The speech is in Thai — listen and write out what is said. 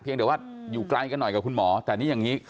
เดี๋ยวว่าอยู่ไกลกันหน่อยกับคุณหมอแต่นี่อย่างนี้